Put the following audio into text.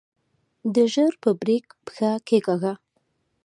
ده ژر په بريک پښه کېکاږله.